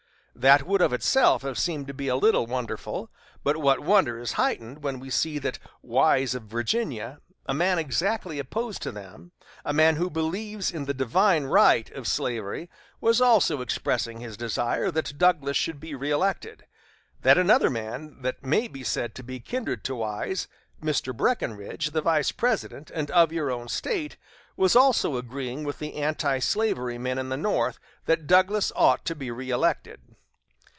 That would of itself have seemed to be a little wonderful, but that wonder is heightened when we see that Wise of Virginia, a man exactly opposed to them, a man who believes in the divine right of slavery, was also expressing his desire that Douglas should be reëlected; that another man that may be said to be kindred to Wise, Mr. Breckinridge, the Vice President, and of your own State, was also agreeing with the antislavery men in the North that Douglas ought to be reëlected.